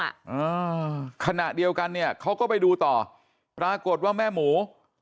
อ่าขณะเดียวกันเนี่ยเขาก็ไปดูต่อปรากฏว่าแม่หมู